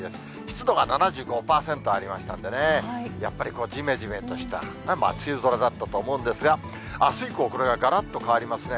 湿度が７５％ありましたんでね、やっぱりじめじめとした梅雨空だったと思うんですが、あす以降、これががらっと変わりますね。